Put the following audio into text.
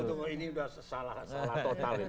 tunggu ini sudah salah total